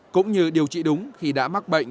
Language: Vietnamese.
cũng như điều trị đúng khi đã mắc bệnh